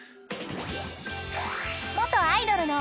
［元アイドルの夢眠